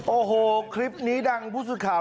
โอ้โหคลิปนี้ดังผู้สื่อข่าว